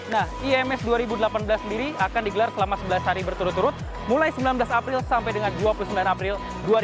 nah ims dua ribu delapan belas sendiri akan digelar selama sebelas hari berturut turut mulai sembilan belas april sampai dengan dua puluh sembilan april dua ribu delapan belas